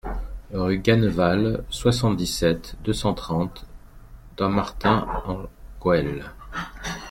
Rue Ganneval, soixante-dix-sept, deux cent trente Dammartin-en-Goële